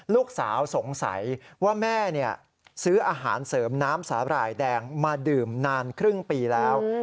ลูกสาวสงสัยว่าแม่ซื้ออาหารเสริมน้ำสาหร่ายแดงมาดื่มนานครึ่งปีแล้ว